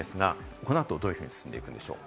この後はどういうふうに進むんでしょう？